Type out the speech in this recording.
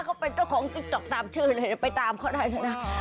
เขาเป็นเจ้าของติ๊กต๊อกตามชื่อเลยไปตามเขาได้เลยนะ